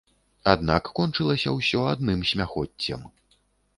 Аднак кончылася ўсё адным смяхоццем.